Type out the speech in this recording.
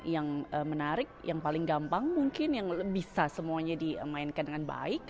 yang menarik yang paling gampang mungkin yang bisa semuanya dimainkan dengan baik